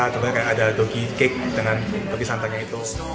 atau kayak ada doggie cake dengan topi santanya itu